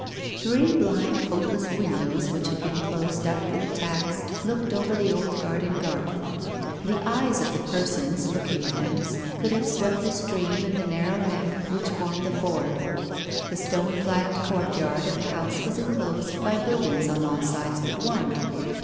Three blind hopeless windows which had been closed up for the tax looked over the old garden garth. The eyes of the persons looking thence could have swept the stream and the narrow neck which formed the ford. The stone flagged courtyard of the house was enclosed by buildings on all sides 6ut one.